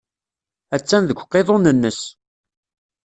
Attan deg uqiḍun-nnes.